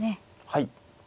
はい。